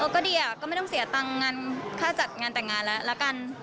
ก็ดีก็ไม่ต้องเสียเงินค่าจัดงานแต่งงานแล้วกัน